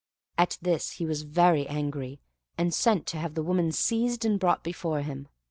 At this he was very angry, and sent to have the woman seized and brought before him.